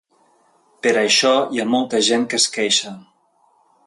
Per això hi ha molta gent que es queixa.